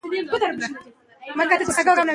بې له فعله جمله نه بشپړېږي.